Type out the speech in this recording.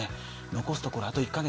残すところあと１カ月。